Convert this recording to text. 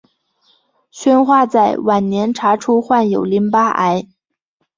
宣化在晚年查出患有淋巴癌。